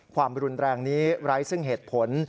ความรุนแรงนี้ไร้ซึ่งเหตุผล